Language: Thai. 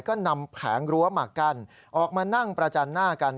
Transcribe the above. ก็นำแผงรั้วมากั้นออกมานั่งประจันหน้ากัน